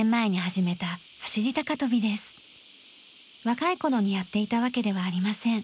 若い頃にやっていたわけではありません。